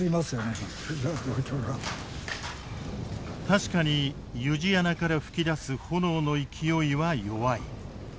確かに湯路穴から噴き出す炎の勢いは弱い。